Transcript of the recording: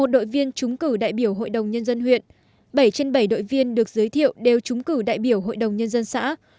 một đội viên trúng cử đại biểu hội đồng nhân dân huyện bảy trên bảy đội viên được giới thiệu đều trúng cử đại biểu hội đồng nhân dân xã